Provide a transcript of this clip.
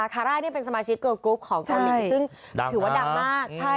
คาร่านี่เป็นสมาชิกเกอร์กรุ๊ปของเกาหลีซึ่งถือว่าดังมาก